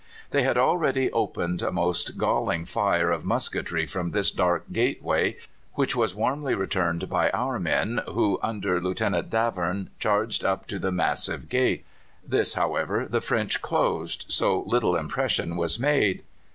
They had already opened a most galling fire of musketry from this dark gateway, which was warmly returned by our men, who, under Lieutenant Davern, charged up to the massive gate. This, however, the French closed, so little impression was made.